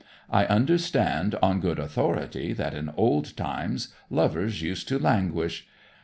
I understand on good authority that in old times lovers used to languish.